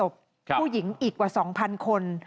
ผู้หญิงอีกกว่า๒๐๐คน